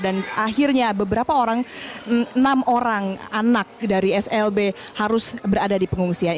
dan akhirnya beberapa orang enam orang anak dari slb harus berada di pengungsian